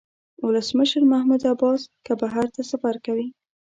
ولسمشر محمود عباس که بهر ته سفر کوي.